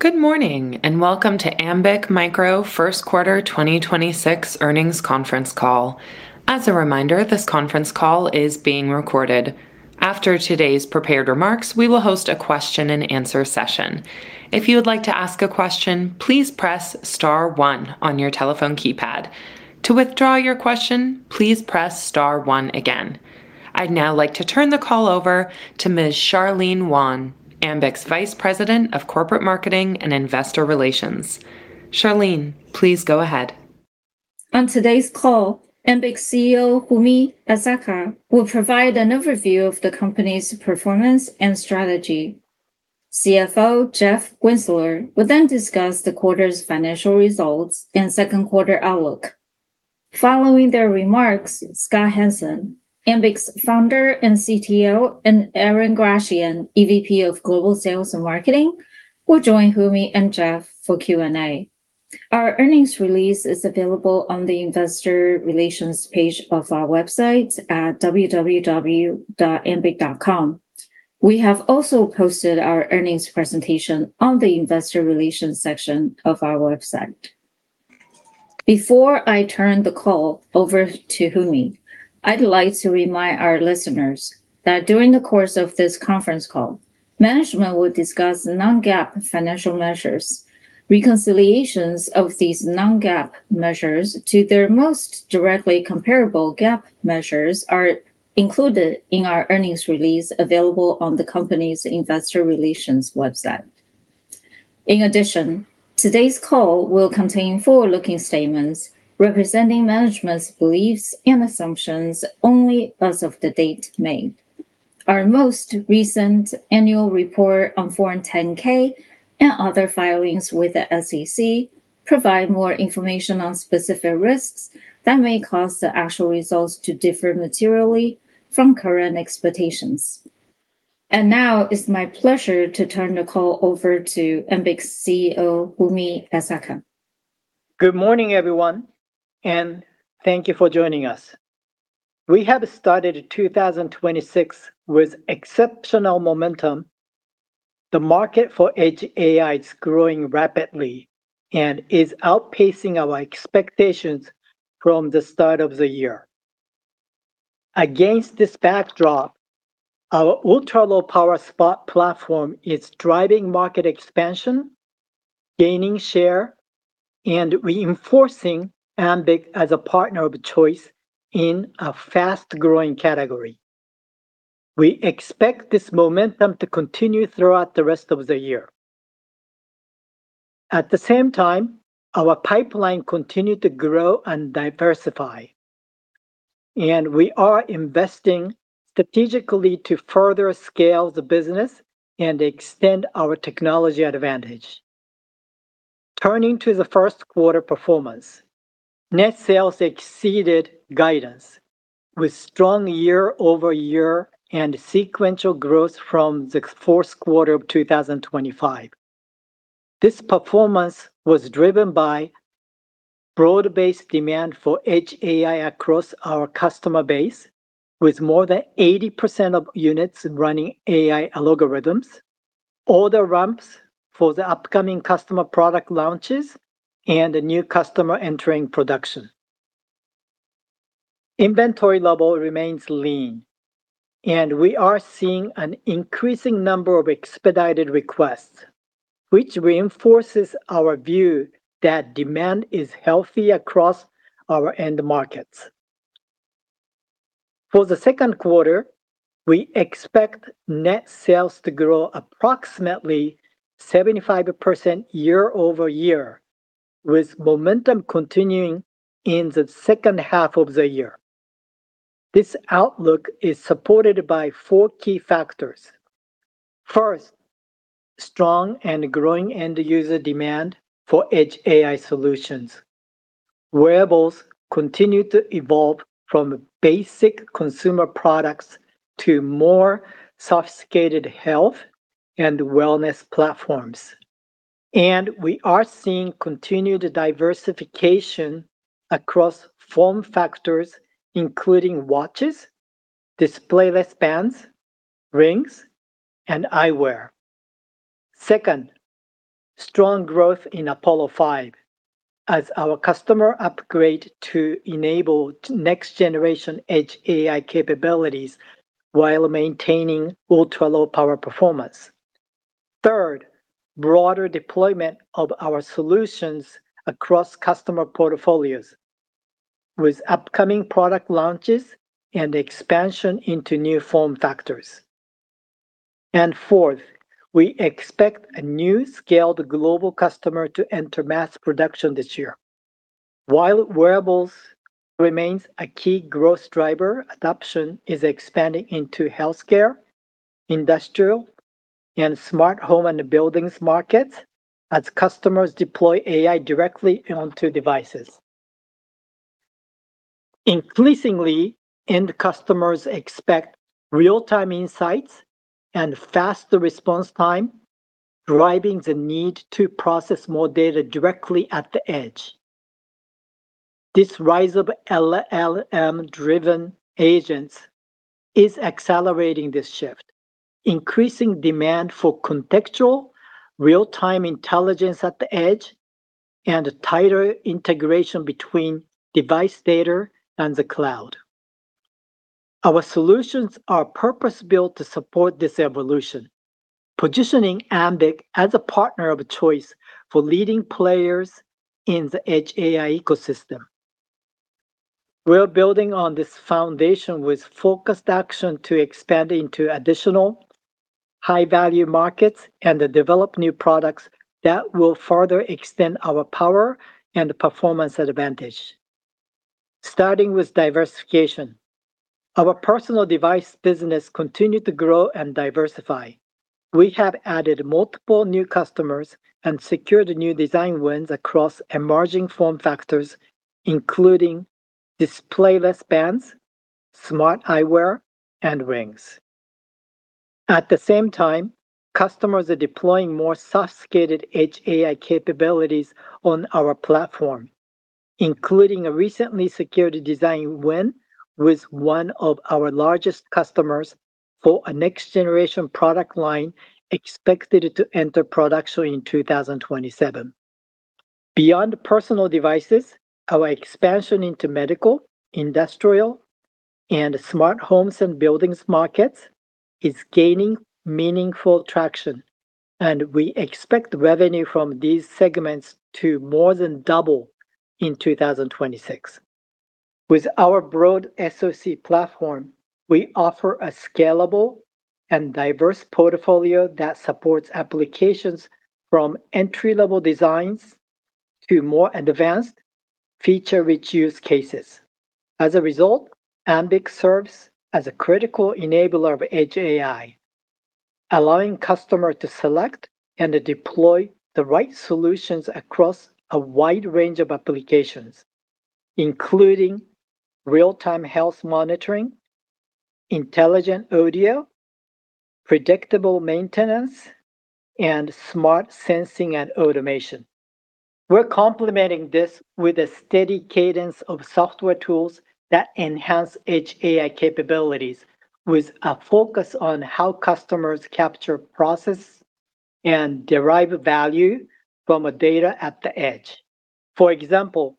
Good morning, welcome to Ambiq Micro first quarter 2026 earnings conference call. As a reminder, this conference call is being recorded. After today's prepared remarks, we will host a question-and-answer session. If you'd like to ask a question, please press star one on your telephone keypad. To withdraw your question, please press star one again. I'd now like to turn the call over to Ms. Charlene Wan, Ambiq's Vice President of Corporate Marketing and Investor Relations. Charlene, please go ahead. On today's call, Ambiq's CEO, Humi Esaka, will provide an overview of the company's performance and strategy. CFO Jeff Winzeler will then discuss the quarter's financial results and second quarter outlook. Following their remarks, Scott Hanson, Ambiq's Founder and CTO, and Aaron Grassian, EVP of Global Sales and Marketing, will join Humi and Jeff for Q&A. Our earnings release is available on the investor relations page of our website at www.ambiq.com. We have also posted our earnings presentation on the investor relations section of our website. Before I turn the call over to Humi, I'd like to remind our listeners that during the course of this conference call, management will discuss non-GAAP financial measures. Reconciliations of these non-GAAP measures to their most directly comparable GAAP measures are included in our earnings release available on the company's investor relations website. In addition, today's call will contain forward-looking statements representing management's beliefs and assumptions only as of the date made. Our most recent annual report on Form 10-K and other filings with the SEC provide more information on specific risks that may cause the actual results to differ materially from current expectations. Now it's my pleasure to turn the call over to Ambiq's CEO, Humi Esaka. Good morning, everyone, and thank you for joining us. We have started 2026 with exceptional momentum. The market for Edge AI is growing rapidly and is outpacing our expectations from the start of the year. Against this backdrop, our ultra-low power SPOT platform is driving market expansion, gaining share, and reinforcing Ambiq as a partner of choice in a fast-growing category. We expect this momentum to continue throughout the rest of the year. At the same time, our pipeline continued to grow and diversify, and we are investing strategically to further scale the business and extend our technology advantage. Turning to the first quarter performance, net sales exceeded guidance with strong year-over-year and sequential growth from the fourth quarter of 2025. This performance was driven by broad-based demand for Edge AI across our customer base, with more than 80% of units running AI algorithms, order ramps for the upcoming customer product launches, and the new customer entering production. Inventory level remains lean, and we are seeing an increasing number of expedited requests, which reinforces our view that demand is healthy across our end markets. For the second quarter, we expect net sales to grow approximately 75% year-over-year, with momentum continuing in the second half of the year. This outlook is supported by four key factors. First, strong and growing end user demand for Edge AI solutions. Wearables continue to evolve from basic consumer products to more sophisticated health and wellness platforms. We are seeing continued diversification across form factors, including watches, display-less bands, rings, and eyewear. Second, strong growth in Apollo5 as our customer upgrade to enable next generation Edge AI capabilities while maintaining ultra-low power performance. Third, broader deployment of our solutions across customer portfolios with upcoming product launches and expansion into new form factors. Fourth, we expect a new scaled global customer to enter mass production this year. While wearables remains a key growth driver, adoption is expanding into healthcare, industrial, and smart home and buildings markets as customers deploy AI directly onto devices. Increasingly, end customers expect real-time insights and faster response time, driving the need to process more data directly at the edge. This rise of LLM-driven agents is accelerating this shift, increasing demand for contextual real-time intelligence at the edge and tighter integration between device data and the cloud. Our solutions are purpose-built to support this evolution, positioning Ambiq as a partner of choice for leading players in the Edge AI ecosystem. We're building on this foundation with focused action to expand into additional high-value markets and to develop new products that will further extend our power and performance advantage. Starting with diversification, our personal device business continued to grow and diversify. We have added multiple new customers and secured new design wins across emerging form factors, including display-less bands, smart eyewear, and rings. At the same time, customers are deploying more sophisticated Edge AI capabilities on our platform, including a recently secured design win with one of our largest customers for a next-generation product line expected to enter production in 2027. Beyond personal devices, our expansion into medical, industrial, and smart homes and buildings markets is gaining meaningful traction. We expect revenue from these segments to more than double in 2026. With our broad SoC platform, we offer a scalable and diverse portfolio that supports applications from entry-level designs to more advanced feature-rich use cases. As a result, Ambiq serves as a critical enabler of Edge AI, allowing customer to select and to deploy the right solutions across a wide range of applications, including real-time health monitoring, intelligent audio, predictable maintenance, and smart sensing and automation. We're complementing this with a steady cadence of software tools that enhance Edge AI capabilities with a focus on how customers capture, process, and derive value from data at the edge. For example,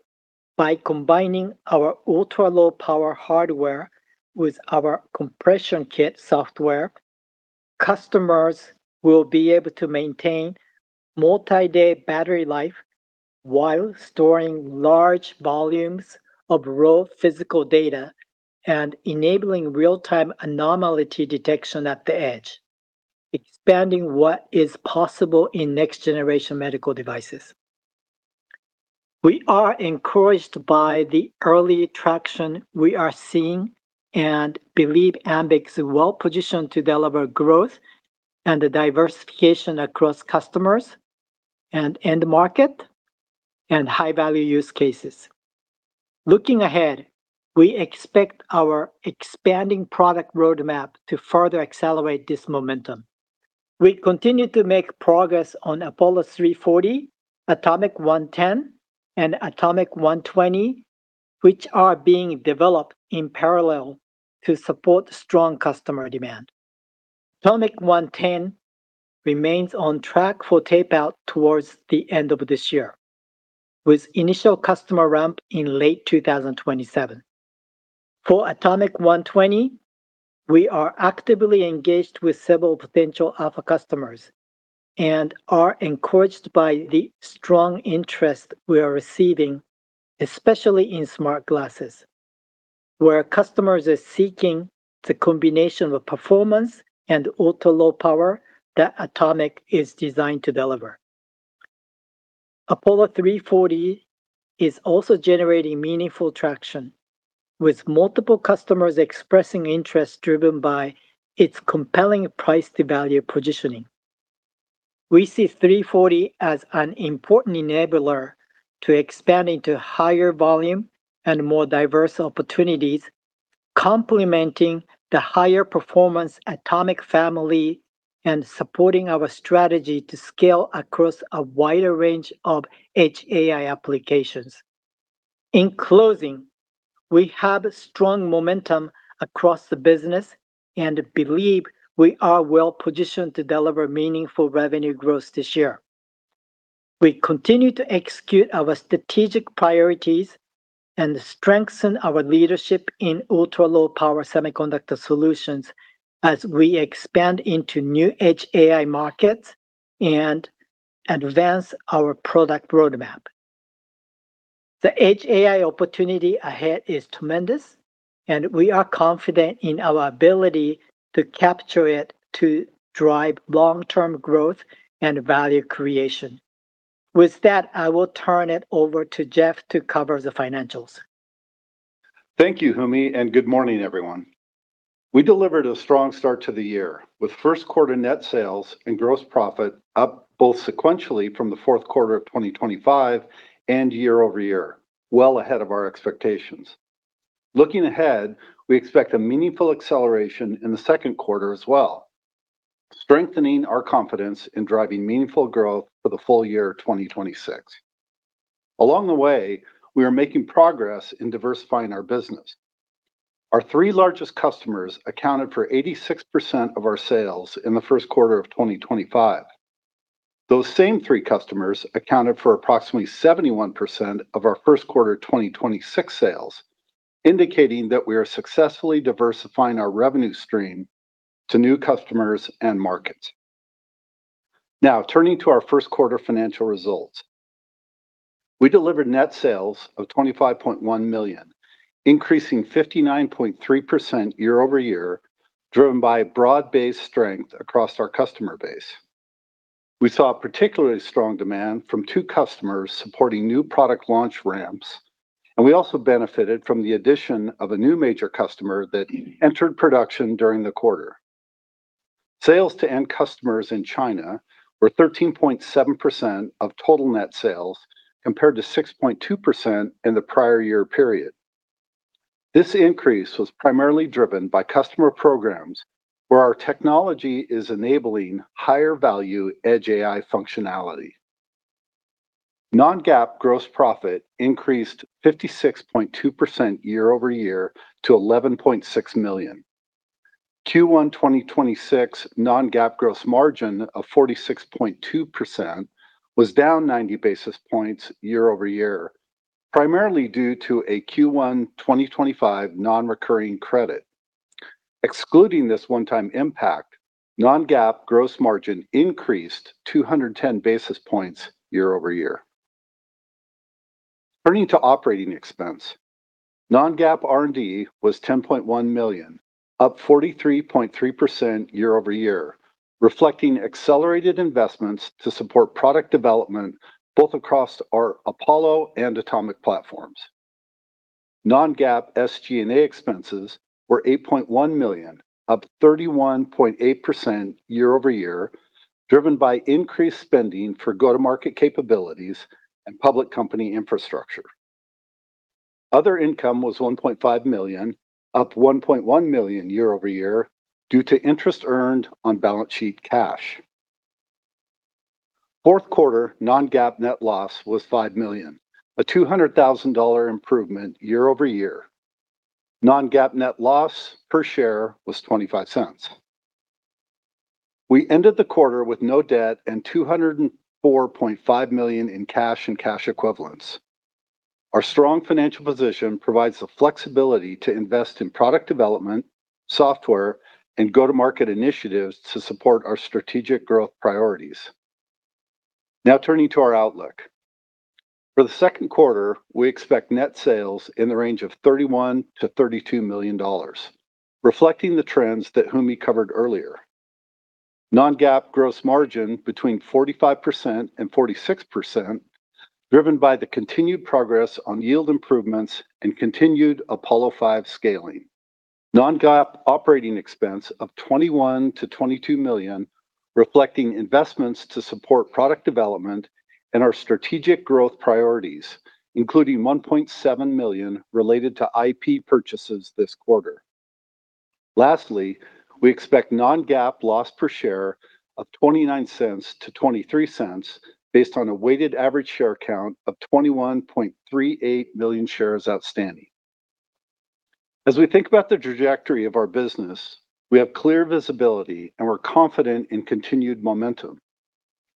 by combining our ultra-low power hardware with our compressionKIT software, customers will be able to maintain multi-day battery life while storing large volumes of raw physical data and enabling real-time anomaly detection at the edge, expanding what is possible in next-generation medical devices. We are encouraged by the early traction we are seeing and believe Ambiq is well-positioned to deliver growth and diversification across customers and end market and high-value use cases. Looking ahead, we expect our expanding product roadmap to further accelerate this momentum. We continue to make progress on Apollo 340, Atomiq110, and Atomiq120, which are being developed in parallel to support strong customer demand. Atomiq110 remains on track for tape-out towards the end of this year, with initial customer ramp in late 2027. For Atomiq120, we are actively engaged with several potential alpha customers and are encouraged by the strong interest we are receiving, especially in smart glasses, where customers are seeking the combination of performance and ultra-low power that Atomiq is designed to deliver. Apollo 340 is also generating meaningful traction, with multiple customers expressing interest driven by its compelling price-to-value positioning. We see 340 as an important enabler to expand into higher volume and more diverse opportunities, complementing the higher performance Atomiq family and supporting our strategy to scale across a wider range of Edge AI applications. In closing, we have strong momentum across the business and believe we are well-positioned to deliver meaningful revenue growth this year. We continue to execute our strategic priorities and strengthen our leadership in ultra-low power semiconductor solutions as we expand into new Edge AI markets and advance our product roadmap. The edge AI opportunity ahead is tremendous, and we are confident in our ability to capture it to drive long-term growth and value creation. With that, I will turn it over to Jeff to cover the financials. Thank you, Humi, and good morning, everyone. We delivered a strong start to the year, with first quarter net sales and gross profit up both sequentially from the fourth quarter of 2025 and year-over-year, well ahead of our expectations. Looking ahead, we expect a meaningful acceleration in the second quarter as well, strengthening our confidence in driving meaningful growth for the full year of 2026. Along the way, we are making progress in diversifying our business. Our three largest customers accounted for 86% of our sales in the first quarter of 2025. Those same three customers accounted for approximately 71% of our first quarter 2026 sales, indicating that we are successfully diversifying our revenue stream to new customers and markets. Turning to our first quarter financial results. We delivered net sales of $25.1 million, increasing 59.3% year-over-year, driven by broad-based strength across our customer base. We saw particularly strong demand from two customers supporting new product launch ramps, we also benefited from the addition of a new major customer that entered production during the quarter. Sales to end customers in China were 13.7% of total net sales, compared to 6.2% in the prior-year period. This increase was primarily driven by customer programs where our technology is enabling higher value Edge AI functionality. Non-GAAP gross profit increased 56.2% year-over-year to $11.6 million. Q1 2026 non-GAAP gross margin of 46.2% was down 90 basis points year-over-year, primarily due to a Q1 2025 non-recurring credit. Excluding this one-time impact, non-GAAP gross margin increased 210 basis points year-over-year. Turning to operating expense, non-GAAP R&D was $10.1 million, up 43.3% year-over-year, reflecting accelerated investments to support product development both across our Apollo and Atomiq platforms. Non-GAAP SG&A expenses were $8.1 million, up 31.8% year-over-year, driven by increased spending for go-to-market capabilities and public company infrastructure. Other income was $1.5 million, up $1.1 million year-over-year due to interest earned on balance sheet cash. Fourth quarter non-GAAP net loss was $5 million, a $200,000 improvement year-over-year. Non-GAAP net loss per share was $0.25. We ended the quarter with no debt and $204.5 million in cash and cash equivalents. Our strong financial position provides the flexibility to invest in product development, software, and go-to-market initiatives to support our strategic growth priorities. Now turning to our outlook. For the second quarter, we expect net sales in the range of $31 million-$32 million, reflecting the trends that Humi covered earlier. Non-GAAP gross margin between 45%-46%, driven by the continued progress on yield improvements and continued Apollo5 scaling. Non-GAAP operating expense of $21 million-$22 million, reflecting investments to support product development and our strategic growth priorities, including $1.7 million related to IP purchases this quarter. Lastly, we expect non-GAAP loss per share of $0.29-$0.23 based on a weighted average share count of 21.38 million shares outstanding. As we think about the trajectory of our business, we have clear visibility, and we're confident in continued momentum.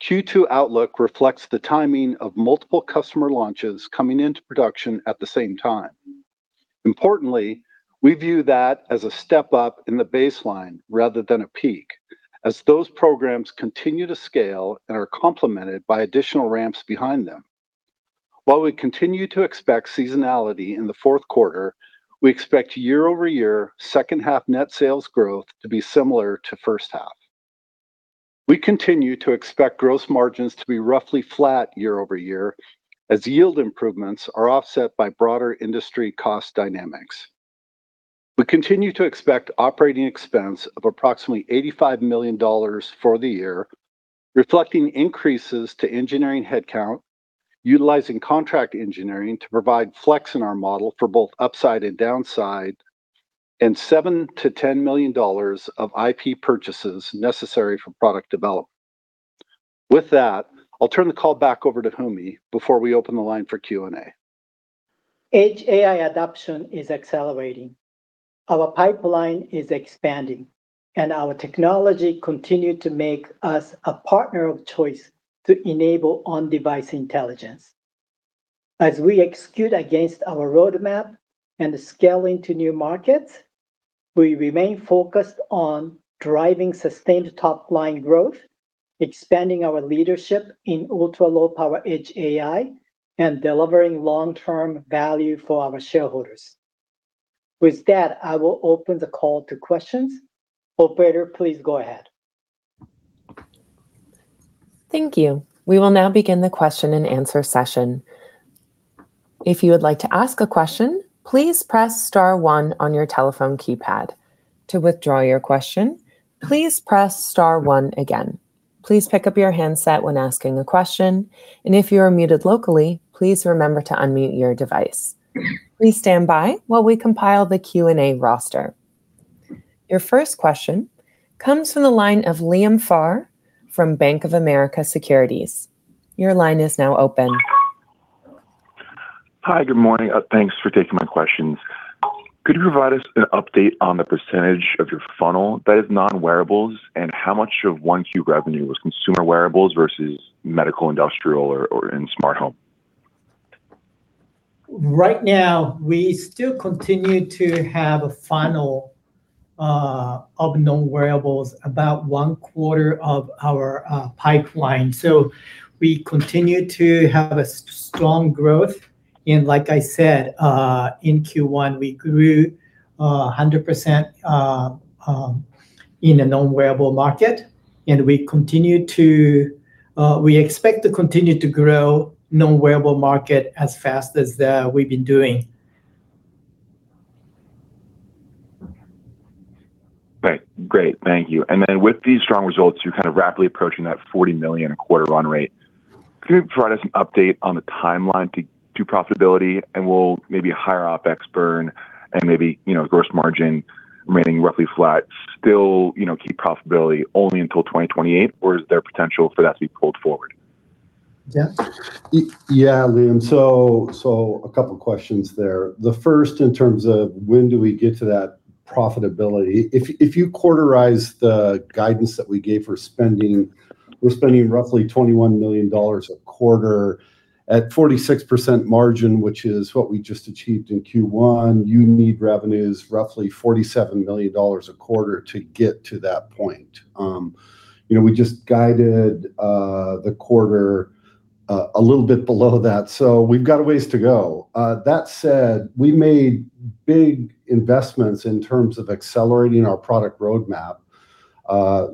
Q2 outlook reflects the timing of multiple customer launches coming into production at the same time. Importantly, we view that as a step up in the baseline rather than a peak as those programs continue to scale and are complemented by additional ramps behind them. While we continue to expect seasonality in the fourth quarter, we expect year-over-year second half net sales growth to be similar to first half. We continue to expect gross margins to be roughly flat year-over-year as yield improvements are offset by broader industry cost dynamics. We continue to expect operating expense of approximately $85 million for the year, reflecting increases to engineering headcount, utilizing contract engineering to provide flex in our model for both upside and downside, and $7 million-$10 million of IP purchases necessary for product development. With that, I'll turn the call back over to Humi before we open the line for Q&A. Edge AI adoption is accelerating. Our pipeline is expanding and our technology continued to make us a partner of choice to enable on-device intelligence. As we execute against our roadmap and scale into new markets, we remain focused on driving sustained top-line growth, expanding our leadership in ultra-low power edge AI, and delivering long-term value for our shareholders. With that, I will open the call to questions. Operator, please go ahead. Thank you. We will now begin the question and answer session. If you would like to ask a question, please press star one on your telephone keypad. To withdraw your question, please press star one again. Please pick up your handset when asking a question, and if you are muted locally, please remember to unmute your device. Please stand by while we compile the Q&A roster. Your first question comes from the line of Liam Pharr from Bank of America Securities. Your line is now open. Hi. Good morning. Thanks for taking my questions. Could you provide us an update on the percentage of your funnel that is non-wearables, and how much your 1Q revenue was consumer wearables versus medical, industrial or in smart home? Right now, we still continue to have a funnel of non-wearables about one quarter of our pipeline. We continue to have a strong growth in, like I said, in Q1, we grew 100% in a non-wearable market, and we expect to continue to grow non-wearable market as fast as we've been doing. Great. Thank you. With these strong results, you're kind of rapidly approaching that $40 million a quarter run rate. Could you provide us an update on the timeline to profitability? Will maybe a higher OpEx burn and maybe, you know, gross margin remaining roughly flat still, you know, keep profitability only until 2028, or is there potential for that to be pulled forward? Jeff? Yeah, Liam. So a couple questions there. The first in terms of when do we get to that profitability, if you quarterize the guidance that we gave for spending, we're spending roughly $21 million a quarter at 46% margin, which is what we just achieved in Q1. You need revenues roughly $47 million a quarter to get to that point. You know, we just guided the quarter a little bit below that, so we've got a ways to go. That said, we made big investments in terms of accelerating our product roadmap,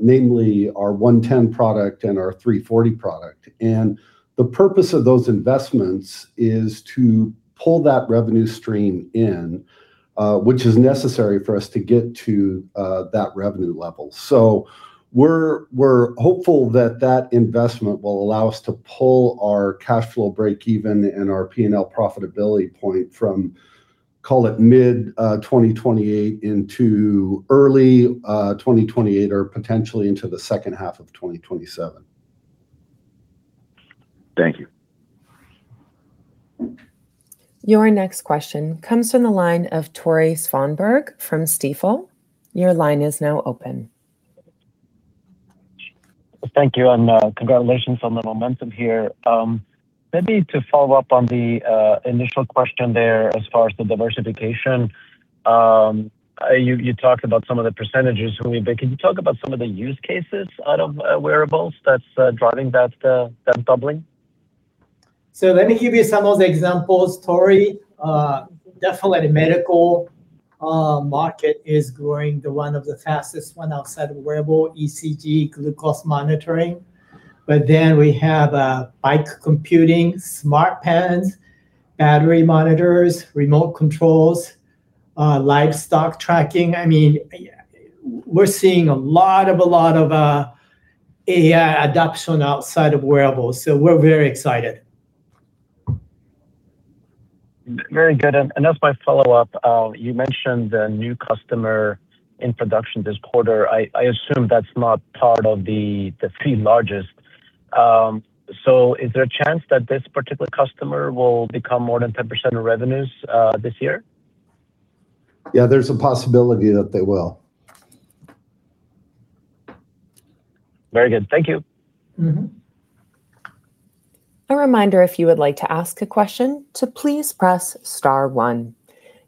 namely our 110 product and our 340 product. The purpose of those investments is to pull that revenue stream in, which is necessary for us to get to that revenue level. We're hopeful that that investment will allow us to pull our cash flow breakeven and our P&L profitability point from, call it, mid 2028 into early 2028 or potentially into the second half of 2027. Thank you. Your next question comes from the line of Tore Svanberg from Stifel. Your line is now open. Thank you, and congratulations on the momentum here. Maybe to follow up on the initial question there as far as the diversification, you talked about some of the percentages a wee bit. Can you talk about some of the use cases out of wearables that's driving that doubling? So let me give you some of the examples, Tore. definitely medical market is growing, the one of the fastest one outside of wearable, ECG, glucose monitoring. we have bike computing, smart pens, battery monitors, remote controls, livestock tracking. I mean, we're seeing a lot of AI adoption outside of wearables, so we're very excited. Very good. As my follow-up, you mentioned the new customer introduction this quarter. I assume that's not part of the three largest. Is there a chance that this particular customer will become more than 10% of revenues this year? There's a possibility that they will. Very good. Thank you. A reminder, if you would like to ask a question, to please press star one.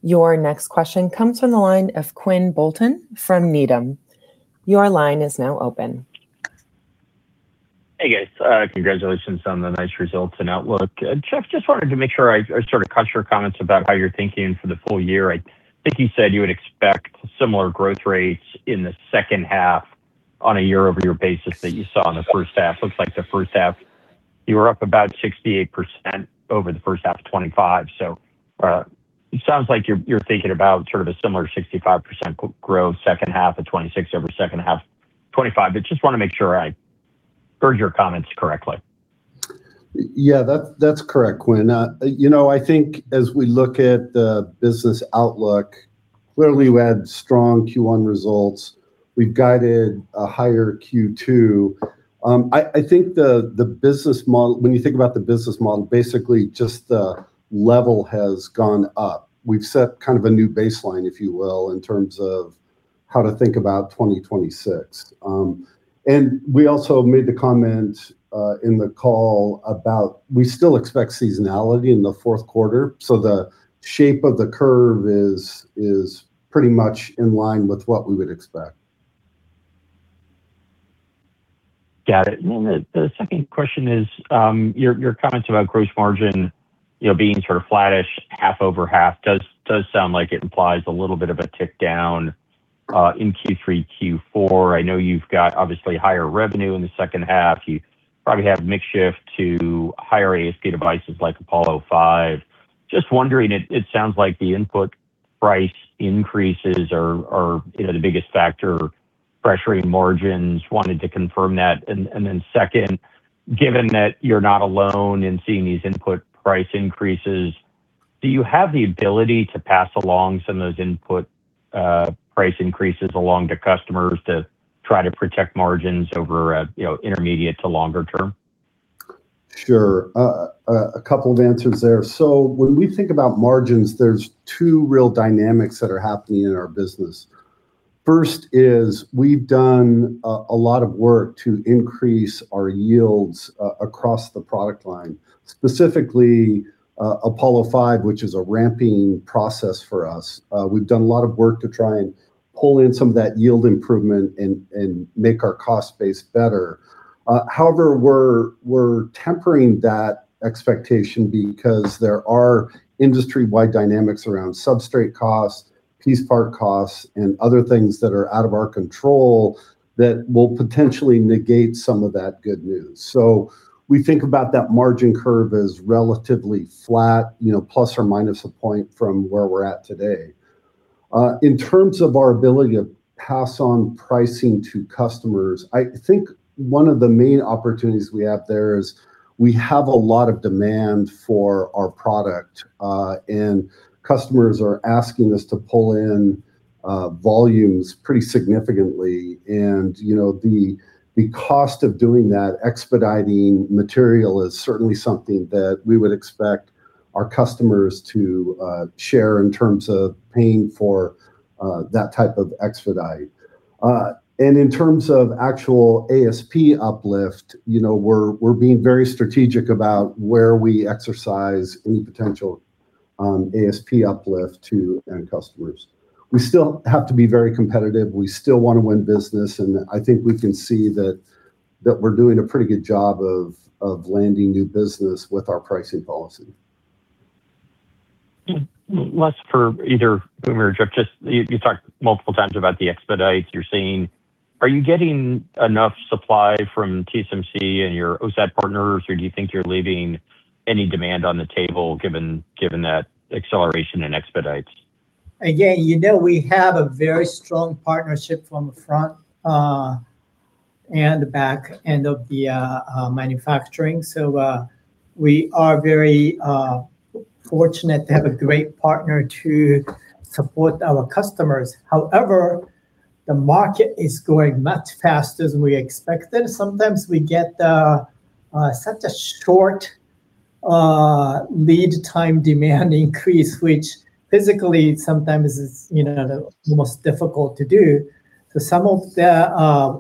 Your next question comes from the line of Quinn Bolton from Needham. Your line is now open. Hey, guys. Congratulations on the nice results and outlook. Jeff, just wanted to make sure I sort of caught your comments about how you're thinking for the full year. I think you said you would expect similar growth rates in the second half on a year-over-year basis that you saw in the first half. Looks like the first half, you were up about 68% over the first half of 2025. It sounds like you're thinking about sort of a similar 65% growth second half of 2026 over second half 2025, but just wanna make sure I heard your comments correctly. Yeah, that's correct, Quinn. You know, I think as we look at the business outlook, clearly we had strong Q1 results. We've guided a higher Q2. I think the business model, when you think about the business model, basically just the level has gone up. We've set kind of a new baseline, if you will, in terms of how to think about 2026. We also made the comment in the call about we still expect seasonality in the fourth quarter, so the shape of the curve is pretty much in line with what we would expect. Got it. The second question is, your comments about gross margin, you know, being sort of flattish half-over-half sound like it implies a little bit of a tick down in Q3-Q4. I know you've got obviously higher revenue in the second half. You probably have mix shift to higher ASP devices like Apollo5. Just wondering, it sounds like the input price increases are, you know, the biggest factor pressuring margins. Wanted to confirm that. Second, given that you're not alone in seeing these input price increases, do you have the ability to pass along some of those input price increases along to customers to try to protect margins over a, you know, intermediate to longer term? Sure. a couple of answers there. When we think about margins, there's two real dynamics that are happening in our business. First is we've done a lot of work to increase our yields across the product line, specifically, Apollo5, which is a ramping process for us. We've done a lot of work to try and pull in some of that yield improvement and make our cost base better. However, we're tempering that expectation because there are industry-wide dynamics around substrate costs, piece part costs, and other things that are out of our control that will potentially negate some of that good news. We think about that margin curve as relatively flat, you know, plus or minus point from where we're at today. In terms of our ability to pass on pricing to customers, I think one of the main opportunities we have there is we have a lot of demand for our product, and customers are asking us to pull in volumes pretty significantly. You know, the cost of doing that expediting material is certainly something that we would expect our customers to share in terms of paying for that type of expedite. In terms of actual ASP uplift, you know, we're being very strategic about where we exercise any potential ASP uplift to end customers. We still have to be very competitive. We still want to win business, and I think we can see that we're doing a pretty good job of landing new business with our pricing policy. Less for either Humi or Jeff, just you talked multiple times about the expedites you're seeing. Are you getting enough supply from TSMC and your OSAT partners, or do you think you're leaving any demand on the table given that acceleration in expedites? You know, we have a very strong partnership from the front and the back end of the manufacturing. We are very fortunate to have a great partner to support our customers. However, the market is growing much faster than we expected. Sometimes we get such a short lead time demand increase, which physically sometimes is, you know, the most difficult to do. Some of the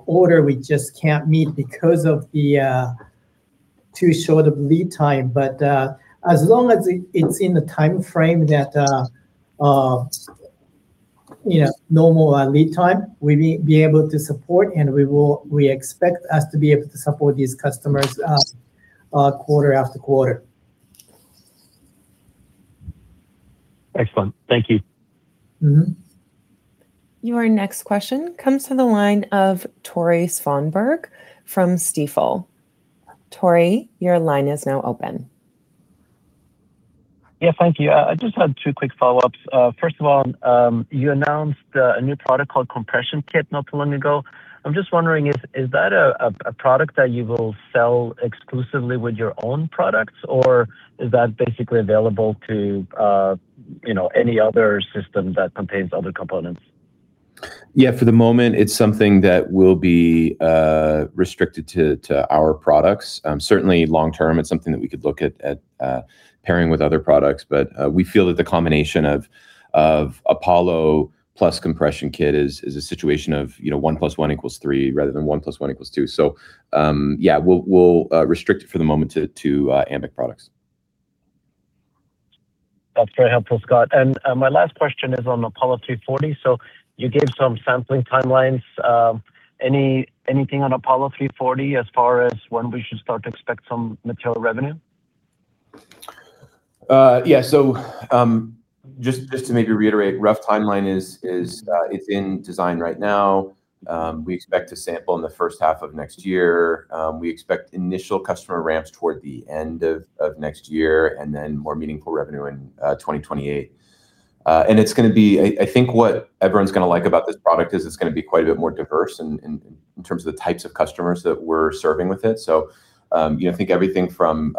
order we just can't meet because of the too short of lead time. As long as it's in the timeframe that, you know, normal lead time, we'll be able to support, and we expect us to be able to support these customers quarter-after-quarter. Excellent. Thank you. Your next question comes to the line of Tore Svanberg from Stifel. Tore, your line is now open. Yeah, thank you. I just had two quick follow-ups. First of all, you announced a new product called compressionKIT not too long ago. I'm just wondering, is that a product that you will sell exclusively with your own products, or is that basically available to, you know, any other system that contains other components? Yeah, for the moment, it's something that will be restricted to our products. Certainly long term, it's something that we could look at pairing with other products. We feel that the combination of Apollo plus compressionKIT is a situation of, you know, 1 + 1 = 3 rather than 1 + 1 = 2. Yeah. We'll restrict it for the moment to Ambiq products. That's very helpful, Scott. My last question is on Apollo 340. You gave some sampling timelines. Anything on Apollo 340 as far as when we should start to expect some material revenue? Yeah. Just to maybe reiterate, rough timeline is it's in design right now. We expect to sample in the first half of next year. We expect initial customer ramps toward the end of next year and then more meaningful revenue in 2028. I think what everyone's gonna like about this product is it's gonna be quite a bit more diverse in terms of the types of customers that we're serving with it. You know, think everything from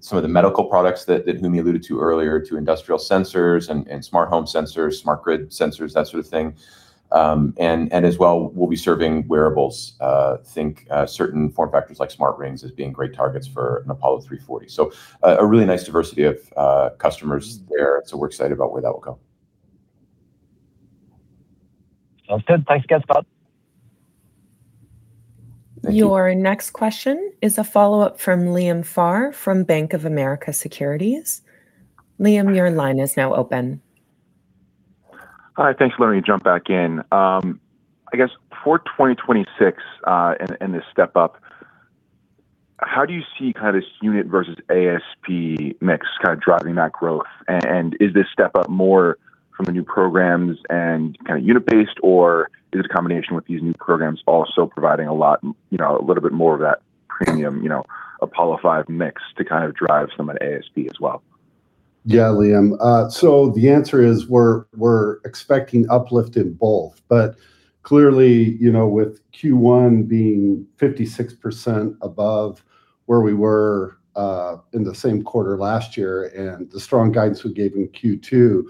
some of the medical products that Humi alluded to earlier, to industrial sensors and smart home sensors, smart grid sensors, that sort of thing. As well, we'll be serving wearables. Think certain form factors like smart rings as being great targets for an Apollo 340. A really nice diversity of customers there. We're excited about where that will go. Sounds good. Thanks again, Scott. Thank you. Your next question is a follow-up from Liam Pharr from Bank of America Securities. Liam, your line is now open. Hi. Thanks for letting me jump back in. I guess for 2026, and this step up, how do you see kind of this unit versus ASP mix kind of driving that growth? Is this step up more from the new programs and kind of unit-based, or is this combination with these new programs also providing a lot, you know, a little bit more of? Premium, you know, Apollo5 mix to kind of drive some of the ASP as well. Liam. The answer is we're expecting uplift in both, but clearly, you know, with Q1 being 56% above where we were in the same quarter last year and the strong guidance we gave in Q2,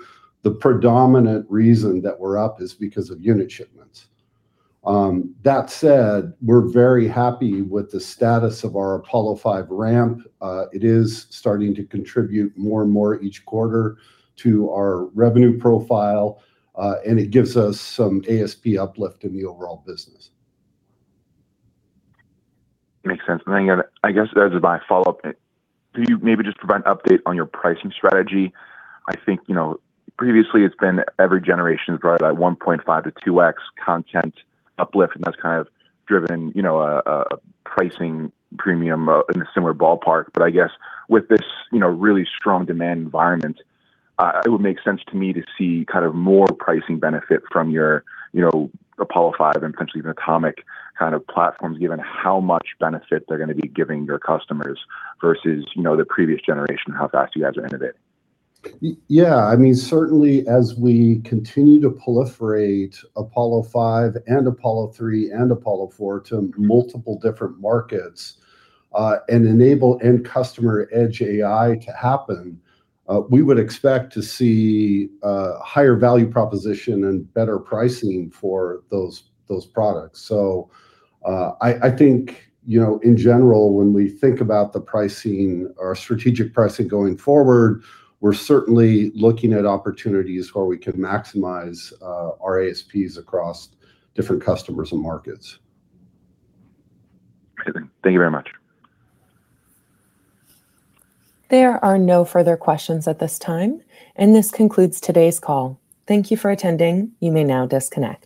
the predominant reason that we're up is because of unit shipments. That said, we're very happy with the status of our Apollo5 ramp. It is starting to contribute more and more each quarter to our revenue profile, and it gives us some ASP uplift in the overall business. Makes sense. I guess as my follow-up, can you maybe just provide an update on your pricing strategy? I think, you know, previously it's been every generation is driven by 1.5x-2x content uplift, and that's kind of driven, you know, a pricing premium in a similar ballpark. I guess with this, you know, really strong demand environment, it would make sense to me to see kind of more pricing benefit from your, you know, Apollo5 and potentially even Atomiq kind of platforms, given how much benefit they're gonna be giving your customers versus, you know, the previous generation and how fast you guys are innovating. Yeah, I mean, certainly as we continue to proliferate Apollo5 and Apollo3 and Apollo4 to multiple different markets, and enable end customer edge AI to happen, we would expect to see a higher value proposition and better pricing for those products. I think, you know, in general, when we think about the pricing or strategic pricing going forward, we're certainly looking at opportunities where we could maximize our ASPs across different customers and markets. Okay, thank you very much. There are no further questions at this time, and this concludes today's call. Thank you for attending. You may now disconnect.